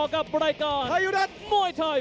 กับรายการไทยรัฐมวยไทย